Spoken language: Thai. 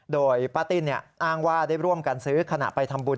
โดยป้าติ้นอ้างว่าได้ร่วมกันซื้อขณะไปทำบุญ